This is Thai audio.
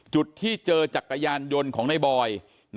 จุดที่เจอจักรยานยนต์ของในบอย